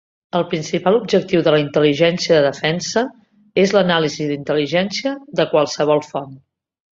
El principal objectiu de la intel·ligència de defensa és l'anàlisi d'intel·ligència "de qualsevol font".